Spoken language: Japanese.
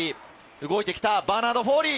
動いてきたバーナード・フォーリー！